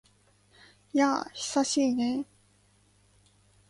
やあ、久しいね。